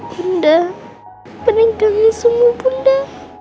bunda aku kangen semua bunda